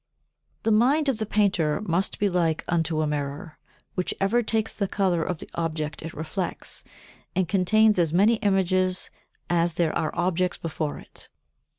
The mind of the painter must be like unto a mirror, which ever takes the colour of the object it reflects, and contains as many images as there are objects before it.